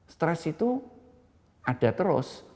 stres itu ada terus